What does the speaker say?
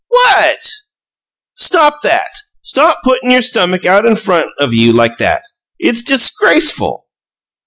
"What?" "Stop that! Stop putting your stomach out in front of you like that! It's disgraceful!"